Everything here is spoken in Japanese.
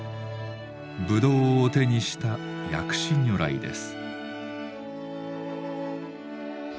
ぶどうを手にした薬師如来です。